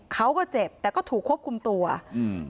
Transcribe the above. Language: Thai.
เขาก็เจ็บแต่ก็ถูกควบคุมตัวอืม